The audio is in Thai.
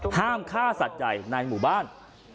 ห้ามฆ่าสัตว์ใหญ่ในหมู่บ้าน